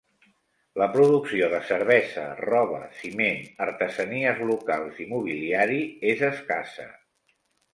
La producció de cervesa, roba, ciment, artesanies locals i mobiliari és escassa.